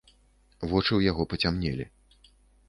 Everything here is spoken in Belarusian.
Вочы ў яго пацямнелі.